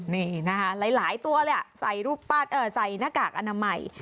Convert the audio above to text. นี่นะคะหลายตัวเลยใส่รูปปั้นใส่หน้ากากอนามัย